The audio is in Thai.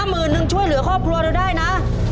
หมื่นนึงช่วยเหลือครอบครัวเราได้นะ